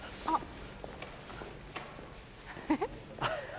あっ！